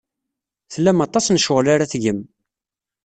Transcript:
Tlam aṭas n ccɣel ara tgem.